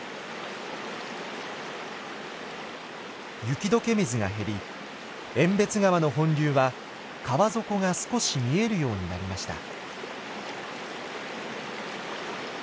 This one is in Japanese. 雪解け水が減り遠別川の本流は川底が少し見えるようになりました。